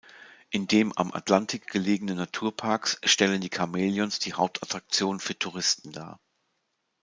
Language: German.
In den am Atlantik gelegenen Naturparks stellen die Chamäleons die Hauptattraktion für Touristen dar.